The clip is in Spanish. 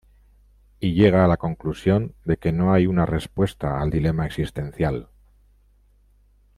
Y llega a la conclusión de que no hay una respuesta al dilema existencial.